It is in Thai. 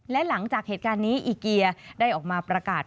และหลังจากเหตุการณ์นี้อีเกียได้ออกมาประกาศ